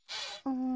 うん。